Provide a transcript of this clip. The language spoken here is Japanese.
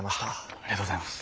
ありがとうございます。